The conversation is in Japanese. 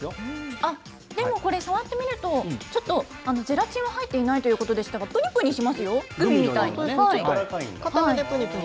あっ、でもこれ、触ってみると、ちょっとゼラチンは入っていないということでしたが、ぷにぷにしますよ、グミみたいに。